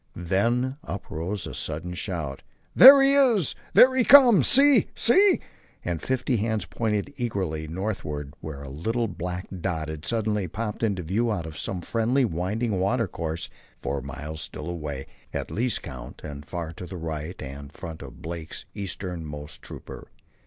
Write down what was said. Then up rose a sudden shout. "There he is!" "There he comes!" "See!" "See!" and fifty hands pointed eagerly northeastward where a little black dot had suddenly popped into view out of some friendly, winding watercourse, four miles still away, at least count, and far to the right and front of Blake's easternmost trooper.